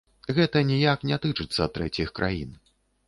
Гэта ніяк не тычыцца трэціх краін.